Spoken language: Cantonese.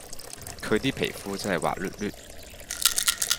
佢 D 皮膚真係滑捋捋